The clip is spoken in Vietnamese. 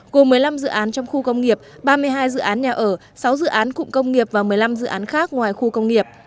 gồm một mươi năm dự án trong khu công nghiệp ba mươi hai dự án nhà ở sáu dự án cụm công nghiệp và một mươi năm dự án khác ngoài khu công nghiệp